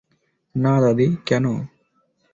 না দাদি, কেন?